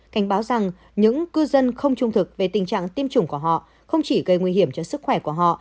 cảnh báo rằng những cư dân không trung thực về tình trạng tiêm chủng của họ không chỉ gây nguy hiểm cho sức khỏe của họ